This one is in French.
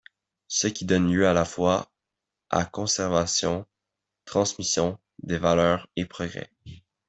Ce qui donne lieu à la fois à conservation, transmission des valeurs et progrès.